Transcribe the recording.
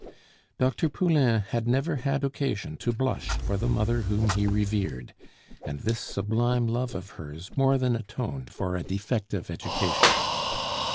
Dr. Poulain had never had occasion to blush for the mother whom he revered; and this sublime love of hers more than atoned for a defective education.